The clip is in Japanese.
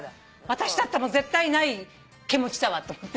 私だったら絶対ない気持ちだわと思って。